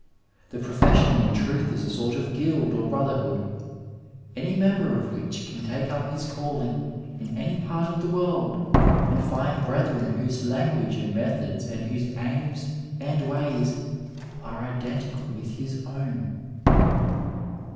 The profession in truth is a sort of guild or brotherhood, any member of which can take up his calling in any part of the world and find brethren whose language and metiiods and whose aims and ways are identical with his own.